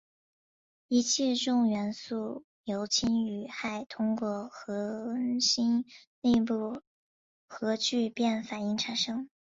一切重元素由氢与氦通过恒星内部核聚变反应产生。